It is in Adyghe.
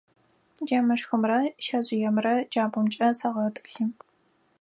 Джэмышхымрэ шъэжъыемрэ джабгъумкӏэ сэгъэтӏылъы.